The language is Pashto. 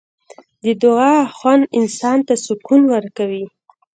د دعا خوند انسان ته سکون ورکوي.